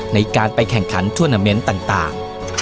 ในการไปแข่งขันธุรนาเม้นต่าง